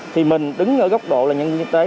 thì mình đứng ở góc độ là nhân viên y tế